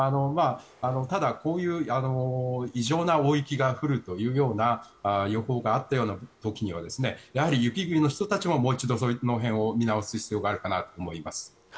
ただ、こういう異常な大雪が降るという予報があった時には雪国の人たちももう一度その辺を見直す必要があるかと思います。